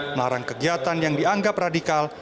melarang kegiatan yang dianggap radikal